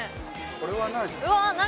これは何？